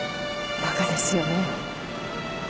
バカですよね。